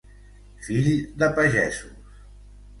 Fill de pagesos.